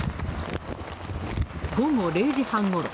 午後０時半ごろ。